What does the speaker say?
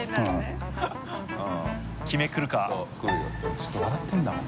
ちょっと笑ってるんだもん。